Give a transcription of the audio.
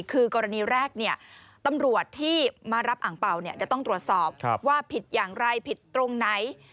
คือกรณีแรกตำรวจที่มารับอ่างเป่าเดี๋ยวต้องตรวจสอบว่าผิดอย่างไรผิดตรงไหน